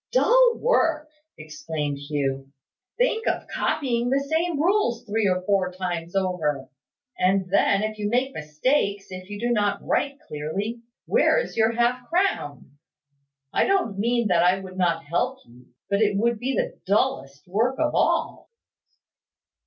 "Dull work!" exclaimed Hugh. "Think of copying the same rules three or four times over! And then, if you make mistakes, if you do not write clearly, where is your half crown? I don't mean that I would not help you, but it would be the dullest work of all."